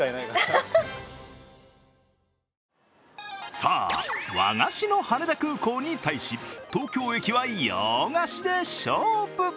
さあ、和菓子の羽田空港に対し、東京駅は洋菓子で勝負。